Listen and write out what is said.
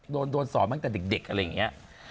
โดนสอนตั้งแต่เด็กอะไรอย่างนี้